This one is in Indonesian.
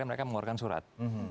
mereka mengeluarkan surat